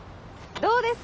どうですか？